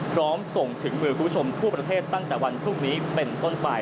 พร้อมส่งถึงมือคุณผู้ชมทั่วประเทศตั้งแต่วันพรุ่งนี้เป็นต้นไป